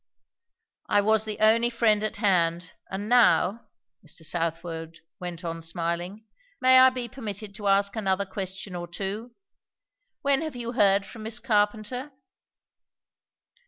"I was the only friend at hand. And now," Mr. Southwode went on smiling, "may I be permitted to ask another question or two? When have you heard from Miss Carpenter?"